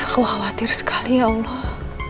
aku khawatir sekali ya allah